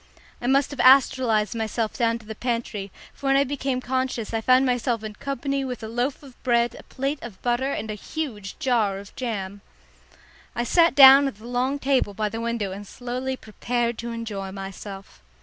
I must have astralised myself down to the pantry, for when I became conscious I found myself in company with a loaf of bread, a plate of butter and a huge jar of jam. I sat down at the long table by the window and slowly prepared to enjoy myself.